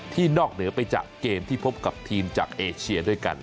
นอกเหนือไปจากเกมที่พบกับทีมจากเอเชียด้วยกัน